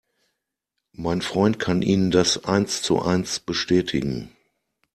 Mein Freund kann Ihnen das eins zu eins bestätigen.